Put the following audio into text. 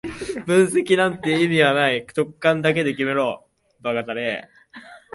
分析なんて意味はない、直感だけで決めろ